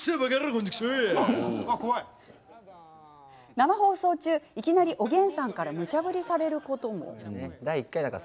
生放送中いきなり、おげんさんからむちゃぶりされることも。